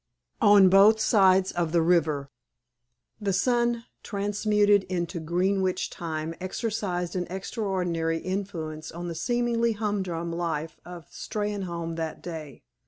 On Both Sides of the River The sun, transmuted into Greenwich time, exercised an extraordinary influence on the seemingly humdrum life of Steynholme that day.